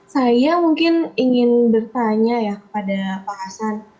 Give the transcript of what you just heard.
saya mungkin ingin bertanya ya kepada pak hasan